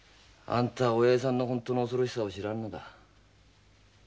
あんたはおやじさんの本当の恐ろしさを知らんのだ。